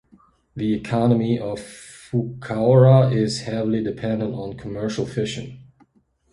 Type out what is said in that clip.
The economy of Fukaura is heavily dependent on commercial fishing.